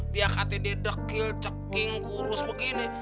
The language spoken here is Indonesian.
dia katanya dia dekil ceking kurus begini